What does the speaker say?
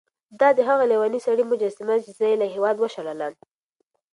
دا د هغه لېوني سړي مجسمه ده چې زه یې له هېواده وشړلم.